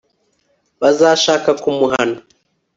bazashaka kumuhana